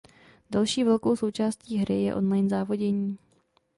Další velkou součástí hry je online závodění.